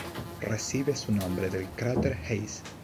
Recibe su nombre del cráter Hase.